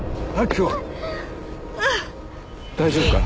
大丈夫か？